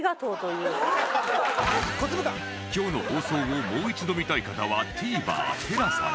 今日の放送をもう一度見たい方は ＴＶｅｒＴＥＬＡＳＡ で